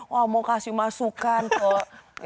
wah mau kasih masukan kok